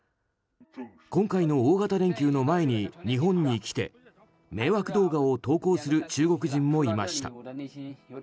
今回の大型連休の前に日本に来て迷惑動画を投稿する中国人もいました。